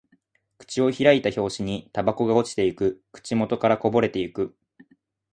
口を開いた拍子にタバコが落ちていく。口元からこぼれていく。